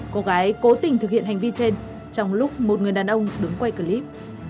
cô gái cố tình thực hiện hành vi trên trong lúc một người đàn ông đứng quay clip